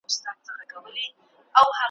چي آباد وي پر نړۍ جاهل قومونه `